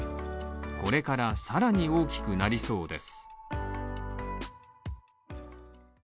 これからさらに大きくなりそうです。